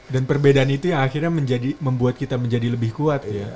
dan perbedaan itu yang akhirnya membuat kita menjadi lebih kuat